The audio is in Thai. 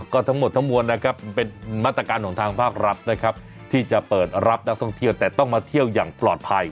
ก็ทั้งหมดทั้งมวลนะครับเป็นมาตรการของทางภาครัฐนะครับที่จะเปิดรับนักท่องเที่ยวแต่ต้องมาเที่ยวอย่างปลอดภัย